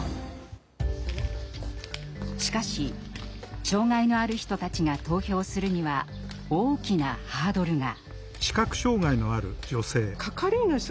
しかし、障害のある人たちが投票するには大きなハードルが。